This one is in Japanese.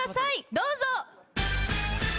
どうぞ！